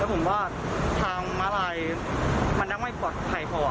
ผมว่าทางม้าลายมันยังไม่ปลอดภัยพอ